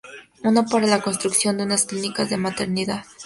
Una para la construcción de unas clínicas de maternidad.